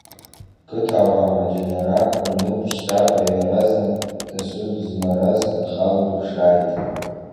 Ҳқыҭауаа маџьанарак рнымԥшӡакәа иарзнак дасу дызмараз рхала ирыԥшааит.